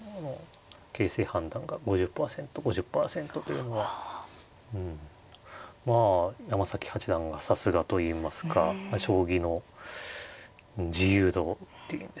形勢判断が５０％５０％というのはうんまあ山崎八段がさすがといいますか将棋の自由度っていうんですかね